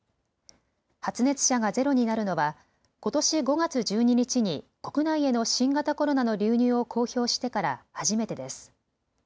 発熱者がゼロになるのはことし５月１２日に国内への新型コロナの流入を公表してから初めてです。